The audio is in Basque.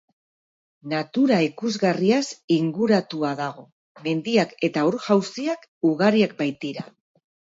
Natura ikusgarriaz inguratua dago, mendiak eta ur-jauziak ugariak baitira.